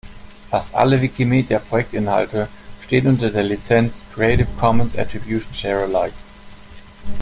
Fast alle Wikimedia-Projektinhalte stehen unter der Lizenz "Creative Commons Attribution Share Alike".